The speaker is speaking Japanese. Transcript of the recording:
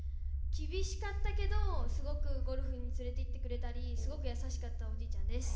厳しかったけどすごくゴルフに連れていってくれたりすごく優しかったおじいちゃんです。